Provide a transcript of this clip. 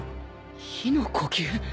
日の呼吸？